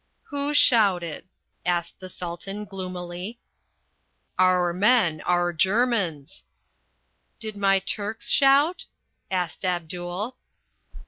"Who shouted?" asked the Sultan gloomily. "Our men, our Germans." "Did my Turks shout?" asked Abdul.